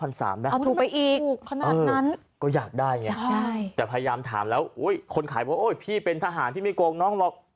เอาถูกไปอีกก็อยากได้ไงแต่พยายามถามแล้วคนขายว่าโอ๊ยพี่เป็นทหารที่ไม่โกงน้องหรอก